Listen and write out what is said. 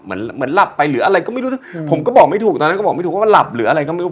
เหมือนเหมือนหลับไปหรืออะไรก็ไม่รู้ผมก็บอกไม่ถูกตอนนั้นก็บอกไม่ถูกว่าหลับหรืออะไรก็ไม่รู้